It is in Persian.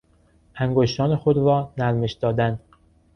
انگشتان خود را نرمش دادن